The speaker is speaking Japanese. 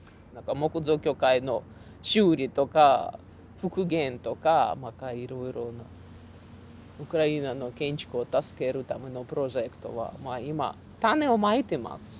木造教会の修理とか復元とかまたいろいろなウクライナの建築を助けるためのプロジェクトは今種をまいてますし。